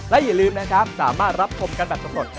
และอย่าลืมนะครับสามารถรับชมกันแบบสำรวจ